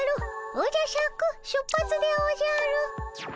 おじゃシャク出発でおじゃる。